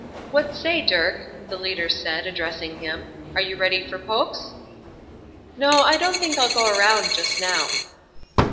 "What say, Dirk?" the leader asked, addressing him; "are you ready for Poke's?" "No; I don't think I'll go around, just now."